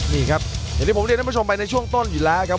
นี่ครับอย่างที่ผมเรียนท่านผู้ชมไปในช่วงต้นอยู่แล้วครับ